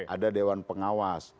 ada dewan pengawas